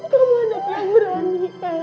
kamu anak yang berani el